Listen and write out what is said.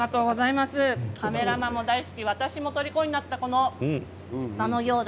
カメラマンも大好き私もとりこになったこの佐野餃子